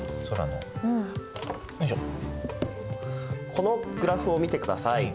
このグラフを見てください。